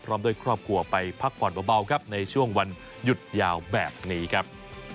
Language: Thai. พร้อมด้วยครอบครัวไปพักผ่อนเบาครับในช่วงวันหยุดยาวแบบนี้ครับ